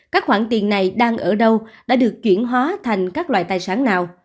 các khoản tiền này đang ở đâu đã được chuyển hóa thành các loại tài sản nào